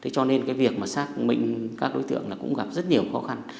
cho nên việc xác định các đối tượng cũng gặp rất nhiều khó khăn